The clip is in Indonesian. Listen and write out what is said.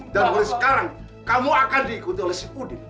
dan mulai sekarang kamu akan diikuti oleh si udin